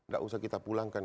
gak usah kita pulangkan